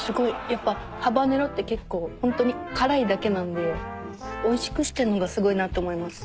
やっぱハバネロって結構ほんとに辛いだけなんでおいしくしてんのがすごいなって思います。